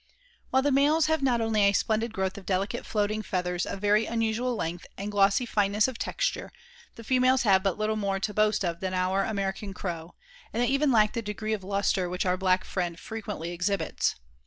While the males have not only a splendid growth of delicate floating feathers of very unusual length and glossy fineness of texture, the females have but little more to boast of than our American Crow, and they even lack the degree of lustre which our black friend frequently exhibits.